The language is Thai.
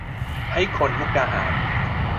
ให้คนมุกดาหาร